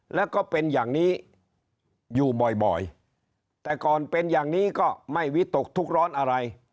แล้วก็เป็นอย่างนี้อยู่บ่อยแต่ก่อนเป็นอย่างนี้ก็ไม่วิตกทุกร้อนอะไร